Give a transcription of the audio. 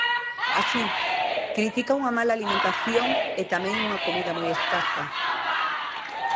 Así, critica unha mala alimentación e tamén unha comida moi escasa.